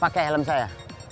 pakai helm saya